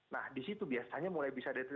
nah di situ biasanya mulai bisa deteksi